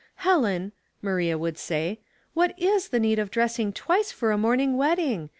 "Helen," Maria would say, "what is the need of dressing twice for a morning wedding?